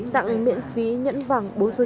tặng miễn phí nhẫn vàng bố số chín